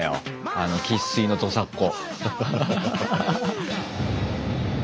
あの生っ粋の土佐っ子。